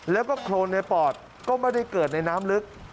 แล้วก็โครนในปอดก็ไม่ได้เกิดในน้ำลึก